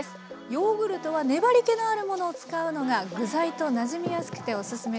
ヨーグルトは粘りけのあるものを使うのが具材となじみやすくてオススメです。